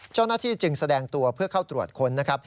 เจ้าหน้าที่จึงแสดงตัวเพื่อเข้าตรวจค้นนะครับ